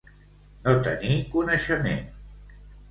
No tenir coneixement.